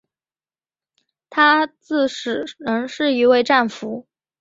他至死仍是一位战俘。